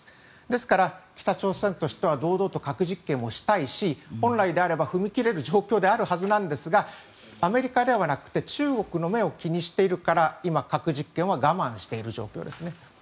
ですから、北朝鮮としては堂々と核実験をしたいし本来であれば踏み切れる状況であるはずなんですがアメリカではなくて中国の目を気にしているから今、核実験は我慢している状況ですね。